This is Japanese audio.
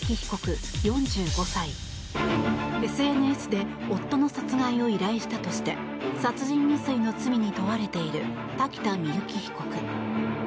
ＳＮＳで夫の殺害を依頼したとして殺人未遂の罪に問われている瀧田深雪被告。